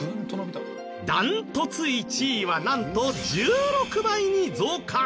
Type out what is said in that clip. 断トツ１位はなんと１６倍に増加。